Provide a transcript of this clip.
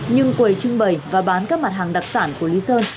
nhưng quầy trưng bày và bán các mặt hàng đặc sản của lý sơn